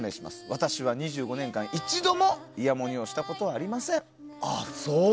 私は２５年間、一度もイヤモニをしたことはありません。